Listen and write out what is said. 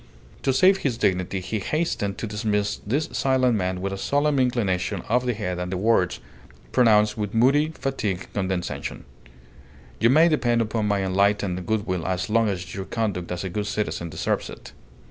To save his dignity he hastened to dismiss this silent man with a solemn inclination of the head and the words, pronounced with moody, fatigued condescension "You may depend upon my enlightened goodwill as long as your conduct as a good citizen deserves it."